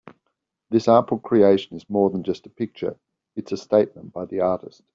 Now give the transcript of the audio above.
This artful creation is more than just a picture, it's a statement by the artist.